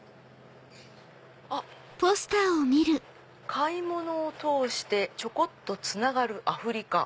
「買い物を通してちょこっとつながるアフリカ」。